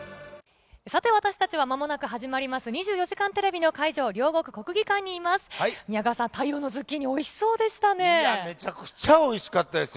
私たちは間もなく始まります『２４時間テレビ』の会場、両国国技館にいます。